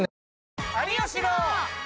有吉の。